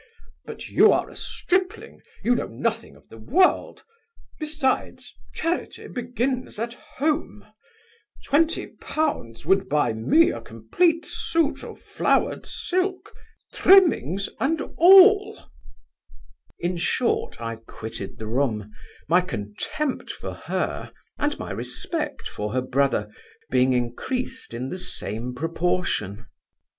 But you are a stripling You know nothing of the world. Besides, charity begins at home Twenty pounds would buy me a complete suit of flowered silk, trimmings and all ' In short, I quitted the room, my contempt for her, and my respect for her brother, being increased in the same proportion.